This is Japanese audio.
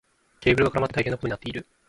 ケーブルが絡まって大変なことになっている。